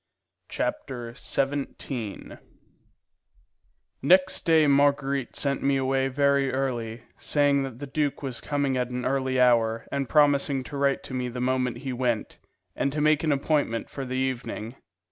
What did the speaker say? Chapter XVII Next day Marguerite sent me away very early, saying that the duke was coming at an early hour, and promising to write to me the moment he went, and to make an appointment for the evening.